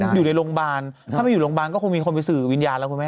อยู่ในโรงพยาบาลถ้าไม่อยู่โรงพยาบาลก็คงมีคนไปสื่อวิญญาณแล้วคุณแม่